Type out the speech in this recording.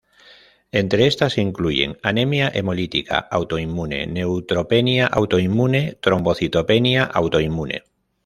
Entre estas se incluyen: anemia hemolítica autoinmune, neutropenia autoinmune, trombocitopenia autoinmune.